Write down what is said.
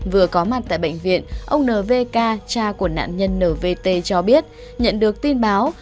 vừa có mặt tại bệnh viện ông nvk cha của nạn nhân nvt cho biết nhận được tin báo